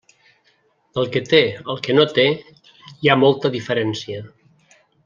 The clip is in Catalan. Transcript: Del que té al que no té hi ha molta diferència.